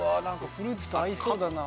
フルーツと合いそうだな。